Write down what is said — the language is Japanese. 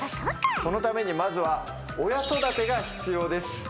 そのためにまずは親育てが必要です。